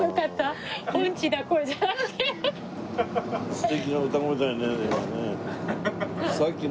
素敵な歌声だよね。